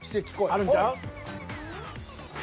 あるんちゃう？